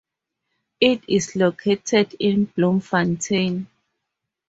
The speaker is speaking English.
It is located in Bloemfontein.